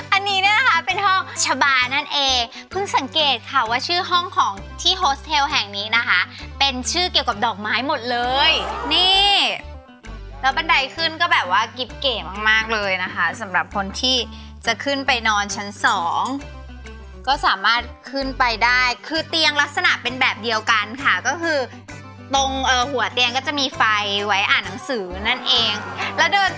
อันนี้เนี่ยนะคะเป็นห้องชะบานั่นเองเพิ่งสังเกตค่ะว่าชื่อห้องของที่โฮสเทลแห่งนี้นะคะเป็นชื่อเกี่ยวกับดอกไม้หมดเลยนี่แล้วบันไดขึ้นก็แบบว่ากิ๊บเก๋มากมากเลยนะคะสำหรับคนที่จะขึ้นไปนอนชั้นสองก็สามารถขึ้นไปได้คือเตียงลักษณะเป็นแบบเดียวกันค่ะก็คือตรงหัวเตียงก็จะมีไฟไว้อ่านหนังสือนั่นเองแล้วเดิน